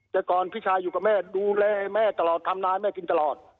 แต่ก่อนพี่ชายอยู่กับแม่ดูแลแม่ตลอดทำนายแม่กินตลอด